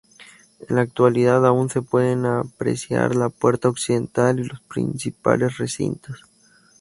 En la actualidad, aún se pueden apreciar la puerta occidental y los principales recintos.